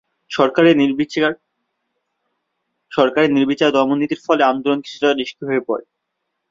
সরকারের নির্বিচার দমননীতির ফলে আন্দোলন কিছুটা নিষ্ক্রিয় হয়ে পড়ে।